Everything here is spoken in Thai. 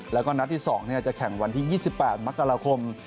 แล้วก็นัดที่๒จะแข่งวันที่๒๘มกราคม